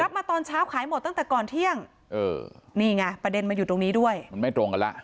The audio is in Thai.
มาตอนเช้าขายหมดตั้งแต่ก่อนเที่ยงเออนี่ไงประเด็นมันอยู่ตรงนี้ด้วยมันไม่ตรงกันแล้ว